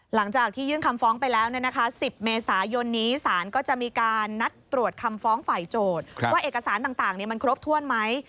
หลังจากที่ยื่นคำฟ้องไปแล้ว๑๐เมษายนนี้ศาลก็จะมีการนัดตรวจคำฟ้องฝ่ายโจทย์ว่าเอกสารต่างมันครบถ้วนไหม